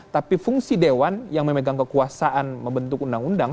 tapi fungsi dewan yang memegang kekuasaan membentuk undang undang